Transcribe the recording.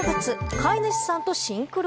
飼い主さんとシンクロ？